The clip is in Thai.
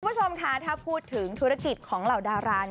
คุณผู้ชมค่ะถ้าพูดถึงธุรกิจของเหล่าดารา